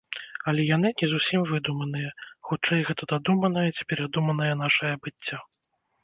Але яны не зусім выдуманыя, хутчэй гэта дадуманае ці перадуманае нашае быццё.